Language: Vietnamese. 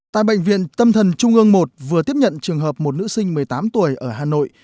tại bệnh viện tâm thần trung ương một vừa tiếp nhận trường hợp một nữ sinh một mươi tám tuổi ở hà nội